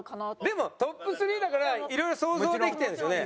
でもトップ３だからいろいろ想像できてるんですよね？